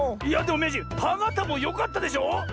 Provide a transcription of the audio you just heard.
いやでもめいじん「パがた」もよかったでしょ？